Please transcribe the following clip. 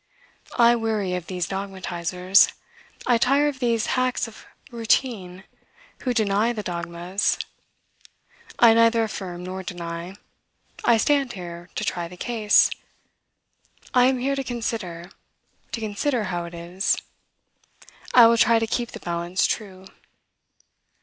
I weary of these dogmatizers. I tire of these hacks of routine, who deny the dogmas. I neither affirm nor deny. I stand here to try the case. I am here to consider, to consider how it is. I will try to keep the balance true.